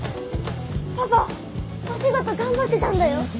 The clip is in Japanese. パパお仕事頑張ってたんだよ。